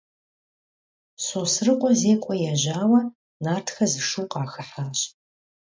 Sosrıkhue zêk'ue yêjaue, nartxe zı şşu khaxıhaş.